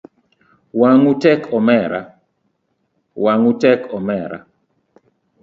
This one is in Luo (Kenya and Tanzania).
Wangu tek omera